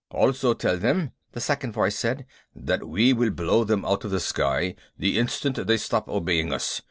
"Also tell them," the second voice said, "that we will blow them out of the sky the instant they stop obeying us!